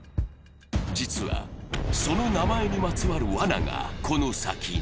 実は、その名前にまつわるわなが、この先に。